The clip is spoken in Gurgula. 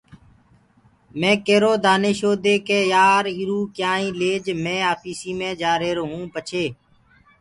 مي ڪيرو دآنيشو دي ڪي يآر ايٚرو ڪيآئونٚ ليج مي آپيس جآهرونٚ پڇي